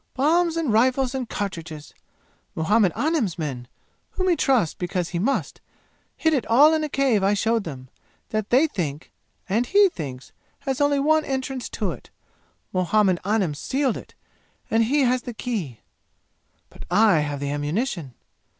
Bombs and rifles and cartridges! Muhammad Anim's men, whom he trusts because he must, hid it all in a cave I showed them, that they think, and he thinks, has only one entrance to it. Muhammad Anim sealed it, and he has the key. But I have the ammunition!